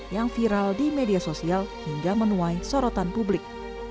yang viral di media sosial hingga menuai sorotan publik